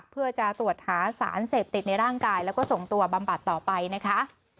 เพื่อจะตรวจหาสารเสพติดในร่างกายแล้วก็ส่งตัวบำบัดต่อไปนะคะ